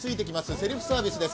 セルフサービスです。